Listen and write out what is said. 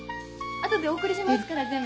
後でお送りしますから全部。